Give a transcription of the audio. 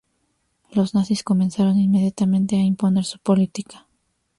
Los nazis comenzaron inmediatamente a imponer su política.